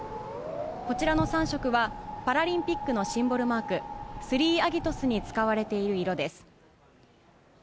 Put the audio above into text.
こちらの３色は、パラリンピックのシンボルマーク、スリーアギトスに使われている色です。